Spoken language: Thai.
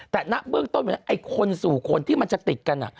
แต่ณเบื้องต้นวันนั้นไอ้คนสู่คนที่มันจะติดกัน